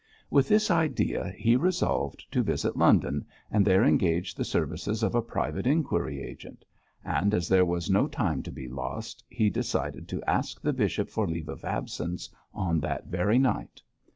With this idea he resolved to visit London and there engage the services of a private inquiry agent; and as there was no time to be lost, he decided to ask the bishop for leave of absence on that very night.